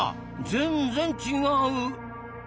全然違う。